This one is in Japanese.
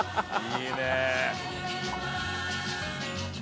「いいね！」